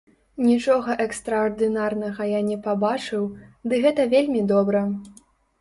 Нічога экстраардынарнага я не пабачыў, ды гэта вельмі добра.